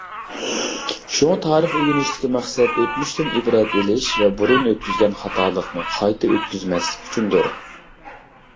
شۇڭا تارىخ ئۆگىنىشتىكى مەقسەت ئۆتمۈشتىن ئىبرەت ئېلىش ۋە بۇرۇن ئۆتكۈزگەن خاتالىقنى قايتا ئۆتكۈزمەسلىك ئۈچۈندۇر.